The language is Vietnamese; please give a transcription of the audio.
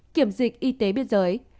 kiểm dịch y tế biên giới